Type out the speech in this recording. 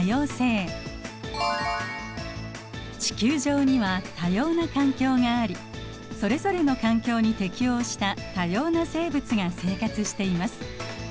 地球上には多様な環境がありそれぞれの環境に適応した多様な生物が生活しています。